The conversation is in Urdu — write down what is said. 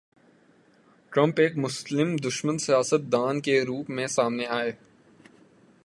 ٹرمپ ایک مسلم دشمن سیاست دان کے روپ میں سامنے آئے۔